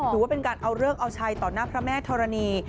ถือว่าเป็นการเอาเลิกเอาชัยต่อหน้าพระแม่ธรณี